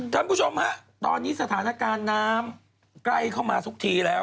ท่านผู้ชมฮะตอนนี้สถานการณ์น้ำใกล้เข้ามาทุกทีแล้ว